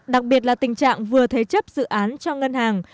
đặc biệt là tình trạng vừa thế chấp dự án cho ngân hàng